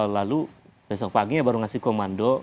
lalu besok paginya baru memberikan komando